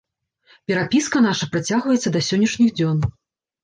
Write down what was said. Перапіска наша працягваецца да сённяшніх дзён.